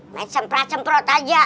main semprat semprot aja